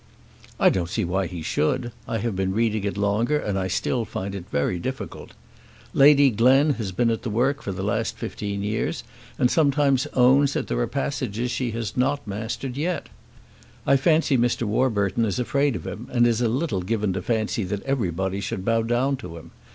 "I don't see why he should. I have been reading it longer, and I still find it very difficult. Lady Glen has been at the work for the last fifteen years, and sometimes owns that there are passages she has not mastered yet. I fancy Mr. Warburton is afraid of him, and is a little given to fancy that everybody should bow down to him.